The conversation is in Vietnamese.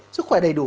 sức khỏe đầy đủ